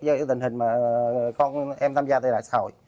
do những tình hình mà con em tham gia tại lại xã hội